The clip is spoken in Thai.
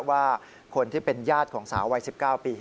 ว่าคนที่เป็นญาติของสาววัย๑๙ปี